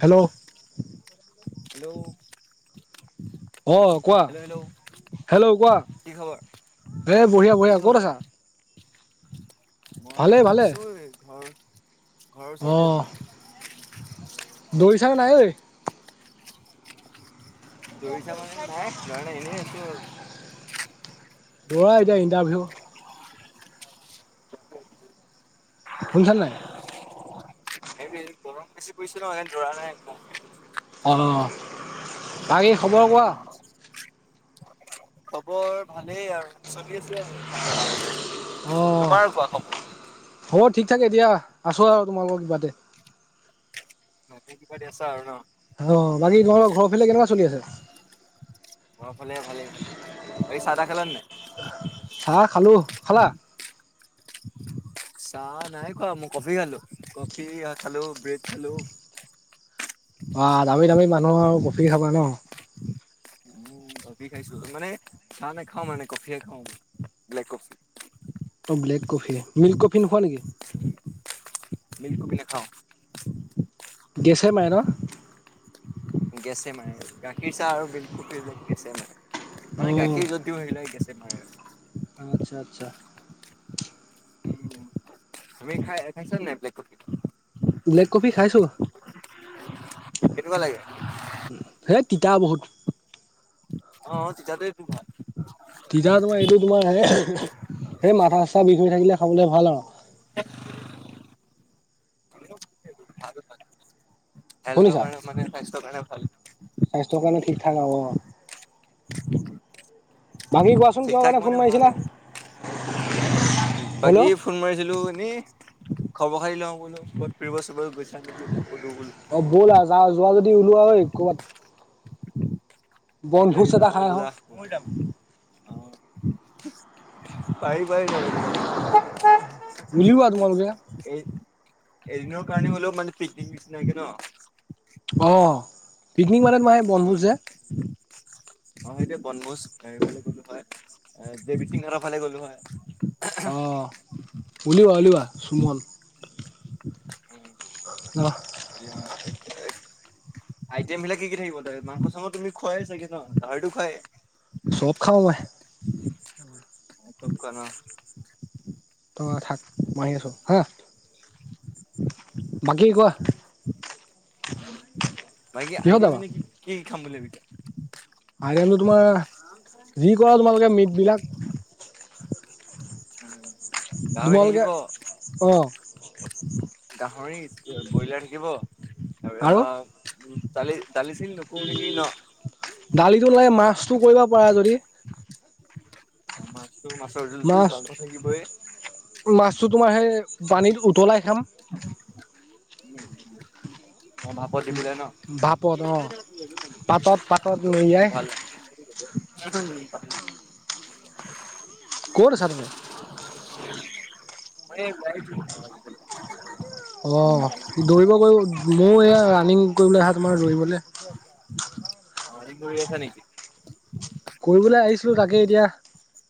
Hello hello. অ', কোৱা hello hello hello কোৱা কি খবৰ এ বঢ়িয়া কি বঢ়িয়া ক'ত খবৰ আছা। ভালে মই ভালে আছোঁ এই ঘৰ-ঘৰৰ ওচৰতে আছোঁ। দৌৰিচানে নাই ঐ। দৈৰিছা মানে নাই [unintelligible] এনেই আছোঁ আৰু। দৌৰা এতিয়া ইণ্টাৰভিউ। শুনিছানে নাই। [unintelligible] গৰম বেছি পৰিছে নহ সেইকাৰণে দৌৰা নাই। [unintelligible] অ', বাকী খবৰ কোৱা? খবৰ ভালেই আৰু চলি আছোঁ আৰু ভালে ভাল মতে। অ' হ'ব ঠিক থাক এতিয়া আছোঁ আৰু তোমালোকৰ কৃপাতে। [unintelligible] আছা আৰু নহ। অ', বাকী ঘৰ-ঘৰৰ ফালে কেনেকুৱা চলি আছে। ঘৰৰ ফালে ভালেই, বাকী চাহ -তাহ খালা নে নাই? চাহ খালোঁ, খালা। চাহ নাই খোৱা মই কফি খালোঁ কফি খালোঁ ব্ৰেড খালোঁ। অ', দামী দামী মানুহ আৰু কফি খাবা ন? উম কফি খাইছো মানে, চাহ নেখাও মানে কফিয়ে খাওঁ ব্লেক কফি। ত ব্লেক কফি, মিল্ক কফি নোখোৱা নেকি? মিল্ক কফি নেখাওঁ। গেছে মাৰে ন? গেছে মাৰে, গাখীৰ চাহ আৰু মিল্ক কফি এই বিলাক গেছে মাৰে। অ মানে গাখীৰ য'ত [inaudible] গেছে মাৰে চব আচ্ছা, আচ্ছা, আমি খাই খাইছান নাই ব্লেক কফিটো? ব্লেক কফি খাইছো কেনেকুৱা লাগে হে তিতা বহুত। অ', অ'তিতা টোৱে টো ভাল। তিতা তোমাৰ এইটো তোমাৰ হেই সেই মাথা চাথা বিষ হৈ থাকিলে খাবলৈ ভাল আৰু [inaudible] খোৱা টো ভাল হেল্থৰ শুনিছা কাৰণে মানে স্বাস্থ্যৰ কাৰণে ভাল। স্বাস্থ্যৰ কাৰণে ঠিক ঠাক হ'। ব [inaudible] বাকী কুৱাচোন, কিহৰ কাৰণে ফোন মাৰিছিলা? উম' বাকী, হেল্ল' ফোন মাৰিছিলো। এনেই খবৰ খাৰি লওঁ বোলো কত ফুৰিব চুৰিব গৈছা নেকি সধো বোলো, অ' ব'লা আৰু যা যোৱা যদি ওলোৱা হয় ক'ৰবাত, নেইট বনভোজ এটা নও খাই আহো ব'লা [unintelligible] অ' পাৰি পাৰি যাবলৈ যাবলৈ। উলিওৱা তোমালোকে। এই, এদিন কাৰণে মানে পিকনিক নিছিনাকে ন। অ' পিকনিক মানে তোমাৰ সেই বনভোজ আহ' যে অ' সেইটো বনভোজফালে গলো হয়। দেৱী সিংৰ ফালে গ'লো হয়। অ' উওলিওৱা উওলিওৱা সুমন। উম' [unintelligible] আইটেম বিলাক কি কি থাকিব তাই মাংস চাং তুমি খোৱাই চাগে ন, গাহৰি টো খুৱাই। চৌব খাওঁ মই। চুপ ক ন [unintelligible] ত 'থাক মই আহি আছো হা। [unintelligible] বাকী কোৱা, বাকী [unintelligible] কিহত আইতি ম যাবা নে কি কি কি খাম বুলিলোবতিয়া আইটেম তোমাৰ যি কৰা তোমালোকে মিট বিলাক। গাহৰি তোমালোকে থাকিব। অ গাহৰি, ব্ৰইলাৰ থাকিব। আৰু উ [unintelligible] তালি তালি চিল ন কু ন কিি ন দালিটো লাগে মাছতটো কৰিব পাৰা যদি, অ' মাছটো, মাছৰ জোলতো মাছ মংস থাকিবই। মাছটো তোমাৰ সেই পানীত উতলাই খাম। উম' অ' ভাপত দি পিলাই ন, ভাপত অ পাতত পাতত মেৰিয়াই ভাল প [unintelligible] ক'ত আছা তুমি। মই এই ওলাইছোঁ। তোমালোকৰ ঘৰলৈ, অ, দৌৰিব গ ময়ো এই ৰাণিং কৰিবলৈ আহা তোমাৰ দৌৰিবলৈ। অ' ৰানি য'ৰ [unintelligible] নেকি কৰিবলৈ আহিছিলোঁ তাকে এতিয়া,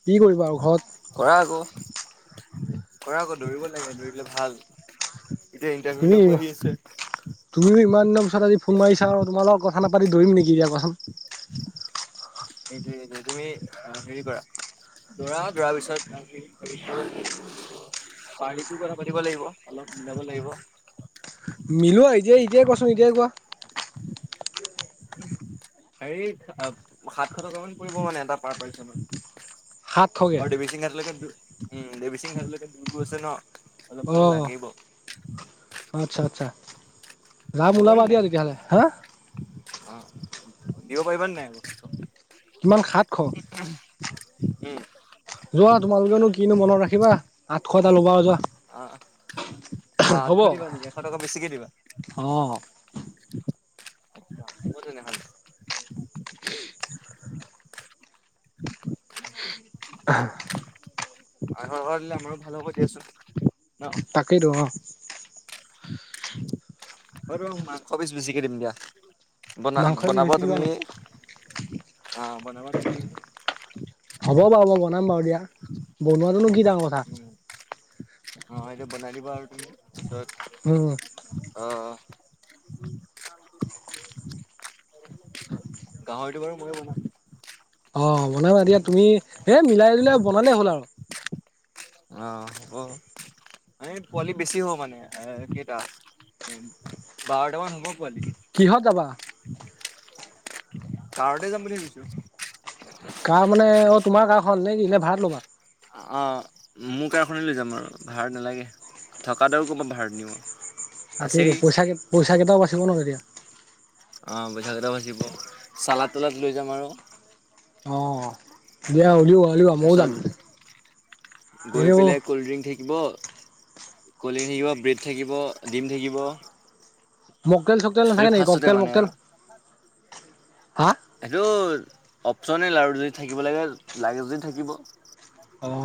কি কৰিব আৰু ঘৰত। কৰা আকৌ'কৰা আকৌ দৌৰিব লাগে। দৌৰিলে ভাল। এতিয়া ইণ্টাৰভিউ লৈকো আহি আছে। তুমি ইমান [unintelligible] দিনৰ পিছতজিোন মাৰিা তোমাল লগ কথাাপাতিৰিম নেকিিয়া কোৱাচোন। এইটোৱে টো তুমি হেৰি কৰা। দৌৰা দৌৰা পিছত, পাৰ্টিতো কথা পাতিব লাগিব। অলপ মিলাব লাগিব। মিলোৱা এতিয়া, এতিয়াই কোৱাচোন এতিয়াই কোৱা। হেৰি সাতশ টকামান পৰিব মানে, এটা পাৰ পাৰ্চনত। সাতশকে আৰু, দেৱী সিং ধাৰলৈকে উম' দেৱী সিং ধাৰলৈকে তোমি গৈছা ন, অলপ অ, মানে লাগিব আচ্ছা আচ্ছা। যাম খবৰে ওলাবা দিয়া নাই। তেতিয়াহ'লে হা অ, দিব পাৰিব নাই বস্তুটো। কিমান সাতশ। উম, যোৱা তোমালোকেনো কিনো মনত ৰাখিবা আঠশ এটা ল'বা যোৱা। অ, বা থ হ'ব দিবা নেকি এশ টকা বেছিকে দিবা। অ, হ'ব তেনেহলে। [inaudible] আৰু স ঘ দিলে আমাৰো ভাল কৰি আছো ন তাকেই টো অ, অ, মাংস বেছ বেছিকে দিম দিয়া। বনা মাংস এবিধ বনাাবা বেছি দিবা তুমি নেকি? অ বনাাবা তুমি। হ'ব বাৰু মই বনাম বাৰু দিয়া বনোৱাটোনো কি ডাঙৰ কথা। উম অ, এটোয়া বনাই দিবা আৰু তুমি পিছত হয় হয়। অ, গাহৰিতো বাৰু মইয়ো বনাম। অ, বনাবা এতিয়া তুমি এ মিলাই দিলাই বনালে হ'ল আৰু। অ, হ'ব এই পোৱালি বেছি হ'ব মানে এ কেইটা বাৰটা মান হ'ব পোৱালি। কিহত যাবা। কাৰতে যাম বুলি ভাবিছো। কাৰ মানে অ, তোমাৰ কাৰাঁখন নে কি এনে ভাডাত ল'বা। অ, মোৰ কাৰখননে লৈ যাম আৰু ভাড়া নালাগে। থকা দাৰও ক'ৰবাত ভাড়া নিওঁ। তাকেইটো পইচা পইচা কেইটাও বাচিব ন তেতিয়া। অ, বৈশাগেইটা বাচিব চালাত তালাত লৈ যাম আৰু। অ, দিয়া উওলওা উওলওা ময়ও যাম তাৰপিছত গৈ এনেও। পেলাই কল্ড ড্ৰিংক থাকিব ক'ল্ড ড্ৰিংক থাকিব ব্ৰেড থাকিব ডিম থাকিব। মোকটেল চোকটেল নাাকে কংটেল মোকটেল । এইটো অপচনেল আৰু যদি থাকিব লাগে লাগে যদি থাকিব।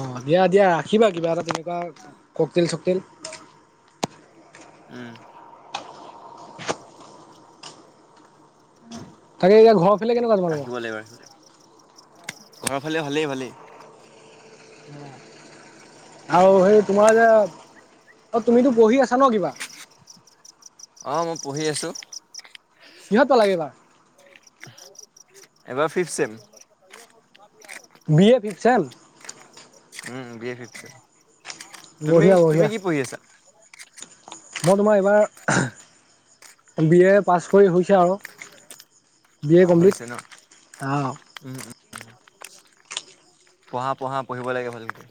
অ, দিয়া দিয়া ৰাখিবা কিবা এটা তেনেকুৱা ককটল চকটল উম, তাকে এতিয়া ঘৰৰ ফালে কেনেকুৱা তোমালোকৰ? আহিব লাগিব আহিবাগ ঘৰৰ ফালে ভালেই ভালেই। আ আৰু সেই তোমাৰ যে অ', তুমিতো বঢ়ি আছা ন কিবা অ', মই পঢ়ি আছো। কিহত পালাগে এইবাৰ এবাৰ fifth same. [unintelligible] B, A fifth sem B A ফিপচেম তুমি বঢ়িয়া তুমি বঢ়িয়া। কি পঢ়ি আছা? মই তোমাৰ এইবাৰ বি এ পাছ কৰি হৈছে আৰু বি এ অ', কমপ্লিট হৈছে ন? আহ উম, উ পঢ়া পঢ়া পঢ়িব লাগে ভালকে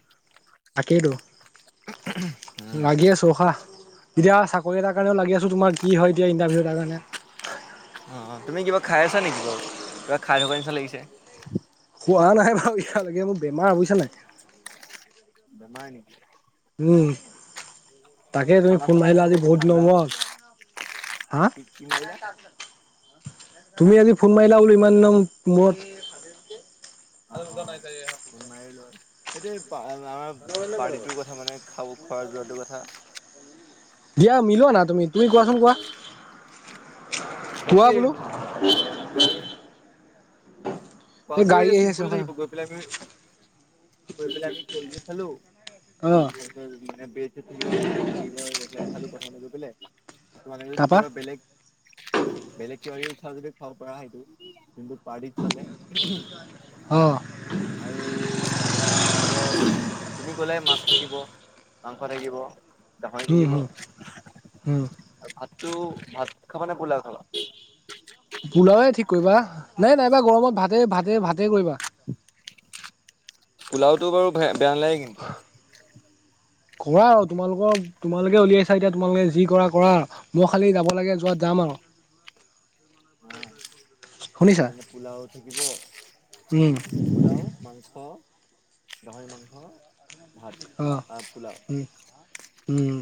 তাকেইটো । লাগি আছোঁ ৰখা এতিয়া চাকৰি এাৰ কাৰণেও লাগি আছোঁ তোমাৰ কি হয় এতিয়া ইণ্টাৰভিউ এটাৰ কাৰণে অ', তুমি কিবা খাই আছা নেকি বাৰু কিবা খাই থকাৰ নিচিনা লাগিছে খোৱা নাই বাৰু, ইয়ালৈকে মোৰ বেমাৰ বুজছা নাই বেমাৰ নেকি? উম, তাকে তুমি খানা ফোন চানা মাৰিলা খাইছিলা আজি যে বহুত ঠাণ্ডা দিনৰ মূৰত হা কি কি মাৰিলা তুমি আজি ফোন মাৰিলা বোলো ইমান দি মূৰত। অ', অ, ফোন মাৰিলো আৰু এতিয়া আমাৰ পাৰ্টিটোৰ কথা মানে, খাব খোৱা যোৱাটোৰ কথা। দিয়া মিলোৱা না তুমি তুমি কোৱাচোন হেল্ল' কোৱা কোৱা সেইটো বোলো কলে এই খোৱাতটো গাড়ী এ আহি আছে চিম্পুল ৰখা থাকিব গৈ পেলাই আমি গৈ পেলাই আমি খালো অ', মান [unintelligible] তোমালোকে যদি তাৰপা কিবা বেলেগ বেলেগ কিবা কিৱি যে খাব পৰা হয়তটো কিন্তু পাৰতিত চলে। অ', আৰু তাৰাপা হব তুমি কলে মাছ থাকিব। মাংস থাকিব। গাহৰি হুম থাকিব হুম হুম ভাতটো ভাত খাবা নে পোলা খাবা? পোলাওে ঠিক কৰিবা নাই নাইবা গৰমত ভাতে, ভাতে, ভাতে কৰিবা। পোলাওটো বাৰু বেয়া নালাগে কিন্তু। কৰা আৰু তোমালোকৰ, তোমালোকে উলিয়াইছা এতিয়া তোমালোকে যি কৰা কৰা মই খালি যাব যোৱাত যাম আৰু। অ, শুনিছা তেনে পোলাও থাকিব উম পোলাও মাংস, গাহৰি মাংস ভাত অ', আহ পোলাও উম।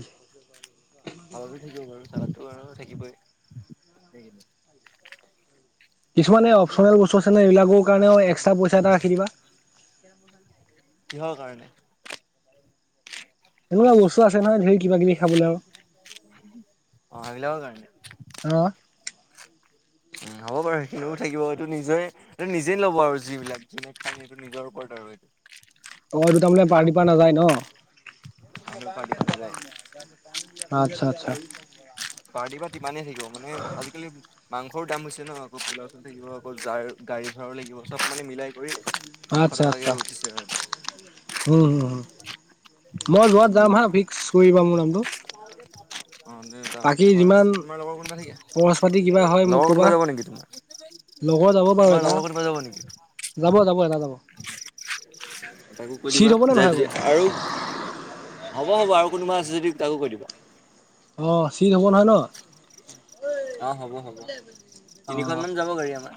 খাব থাকিব পাৰো চাবাতো কাৰণ থাকিবই সেই কিছুমানে অপচনেল বস্তু আছে ন এইবাকৰ কাৰণে এক্স্ৰা পইচ এটা ৰাখি দিবা। কিহৰ কাৰণে? এনেকুৱা বস্তু আছে নহয় ধৰি কিবািব খাবলৈ আৰু। অ', সেইবিলাকৰ কাৰণে। অ',। উম হ'ব বাৰু সেইখিনিও থাকিব এইটো নিজৰে এই নিজেই ল'ব আৰু যিবিলাক যোনে খাম সেইটো নিজৰ ওপৰত আৰু এইটো অ', এইতো মানে পাৰটি পা নাযায় ন? উম, পাৰ্টি পা নাজাই। আচ্ছা, আচ্ছা। পাৰ্টিৰ বা তিমানেই থাকিব মানে আজিকালি মাংসৰ দাম হৈছে ন অক পোলা চল থাকিব অকল যাৰ গাড়ী ভাড়া লাগিব চব মানে মিলাই কৰি সাতশ আচ্ছা টকাগে আচ্ছা উম উঠিছে হুম হুম মই যোৱাত যাম হা ফিক্স কৰিবা মোৰ নামটো। অ। [unintelligible] বাকী তোমাৰ, যিমান তোমাৰ লগৰ কোনোবা নেকি খৰচ পাতি কিবা হয় মোক লগৰ কোনবা ক'বা যাব নেকি? লগৰ যাব বাৰু তোমাৰ এটা লগৰ কোনবা যাব নেকি? যাব, যাব এটা যাব। তাকো কৈ চিট দিবা হ'ব নে যাই নহয় যদি বাৰু আৰু হ'ব, হ'ব আৰু কোনোবা আছে যদি তাকো কৰি দিবা। অ', চিঠ হ'ব নহয় ন। অ', হ'ব, হ'ব অ তিনিখনমানান যাব গাড়ী আমাৰ।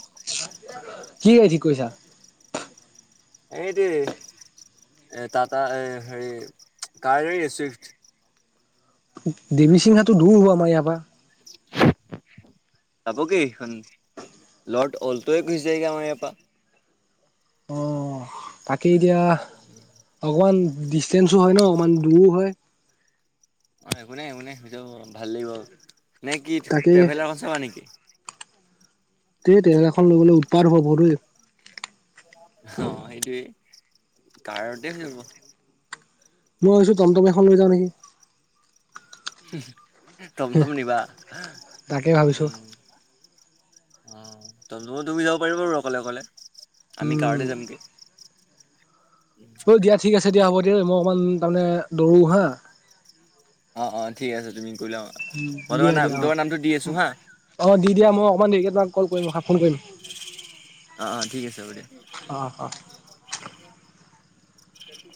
কি গাড়ী ঠিক কৰিছা? এইটো এ, টাটা হেৰি কাৰ হেৰি চুইফ্ট। দেৱী সিং ঘাটো দূৰ হ'ব আমাৰ ইয়াৰ পৰা। [inaudible] যাবগে সেইখন অ'লটোৱে গুচি যায়গৈ আমাৰ ইয়াৰ পৰা। অ', তাকে এতিয়া অকমান দিছ চেঞ্চো হয় ন অকমান দৰো হয়। অ', একোনোই একো নাই স ভাল লাগিব নে কি তাকে এই ট্ৰেভেলাৰ চাবা নেকি। তে ট্ৰেভেলাৰ খন লৈ' গলে উতপাৎ হবই দেই। অ', সেইটোৱে কাৰতে হৈ যাব। মই ভাবিছোঁ তম, তম এখন লৈ যা নেকি। হ তম তম নিবা তাকে ভাবিছো। উম। অ', তম তম তুমি যাব পাৰিব বাৰ অকলে অকলে আমি উম, কাৰতে যামগে। অ', ঐ দিয়া ঠিক আছে দিয়া হ'ব দিয় মই অকণমান তাৰমানে দৌৰো হা। অ', অ', ঠিক আছে তুমি কৰি লওঁৱা মই দিয়া তোমাৰ দিয়া নাম অ'। তোমাৰ নামটো দি আছো হা। অ', দিয়া মই অকণমান দেৰি তোমাক ক'ল কৰিম ফোন কৰিম। অ', অ', ঠিক আছে হাব দিয়া। অ' অ'।